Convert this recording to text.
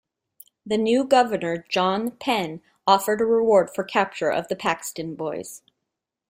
The new governor, John Penn offered a reward for capture of the Paxton Boys.